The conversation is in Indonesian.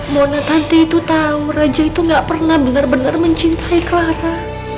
monatanti itu tahu raja itu gak pernah benar benar mencintai clara